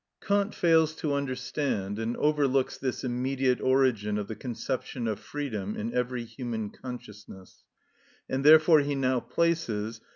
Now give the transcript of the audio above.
Kant fails to understand and overlooks this immediate origin of the conception of freedom in every human consciousness, and therefore he now places (p.